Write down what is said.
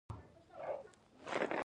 افغانستان د زراعت په اړه علمي څېړنې لري.